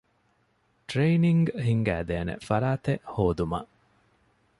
ޓްރެއިނިންގ ހިންގައިދޭނޭ ފަރާތެއް ހޯދުމަށް